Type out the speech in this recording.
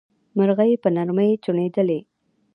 مرغۍ په نرمۍ چوڼيدلې.